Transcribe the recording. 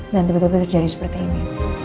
dan tiba tiba terjadi seperti ini